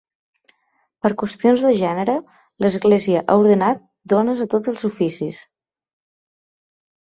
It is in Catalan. Per qüestions gènere, l'església ha ordenat dones a tots els oficis.